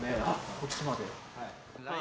こっちまで。